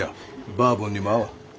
バーボンにも合うわ。